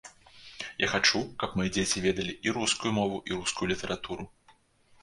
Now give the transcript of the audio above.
Я хачу, каб мае дзеці ведалі і рускую мову і рускую літаратуру.